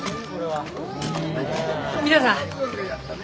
皆さん！